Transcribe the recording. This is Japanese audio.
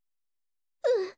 うん。